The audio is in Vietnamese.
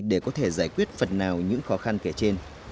để có thể giải quyết phần nào những khó khăn kể trên